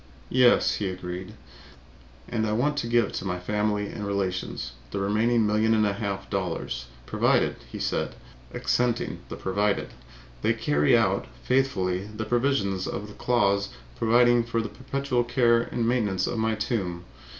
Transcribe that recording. "Yes," he agreed. "And I want to give my family and relations the remaining million and a half dollars, provided," he said, accenting the 'provided,' "they carry out faithfully the provisions of the clause providing for the perpetual care and maintenance of my tomb.